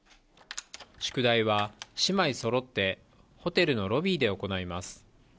宿題は姉妹そろってホテルのロビーで行います。